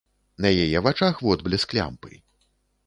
На яе вачах водблеск лямпы.